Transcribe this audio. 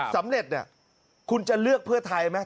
สำเร็จเนี่ยคุณจะเลือกเพื่อไทยไหม